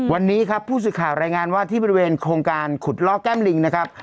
วันนี้ครับผู้สื่อข่าวรายงานว่าที่บริเวณโครงการขุดลอกแก้มลิงนะครับ